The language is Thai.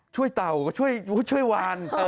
ช่วยเต่าก็ช่วยวาน